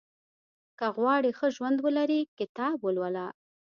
• که غواړې ښه ژوند ولرې، کتاب ولوله.